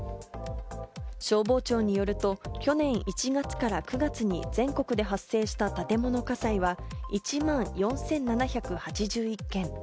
消防庁によると去年１月から９月に全国で発生した建物火災は、１万４７８１件。